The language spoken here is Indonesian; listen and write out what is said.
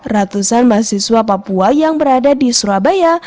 ratusan mahasiswa papua yang berada di surabaya